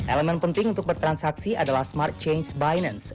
elemen penting untuk bertransaksi adalah smart change binance